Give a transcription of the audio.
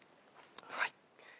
はい。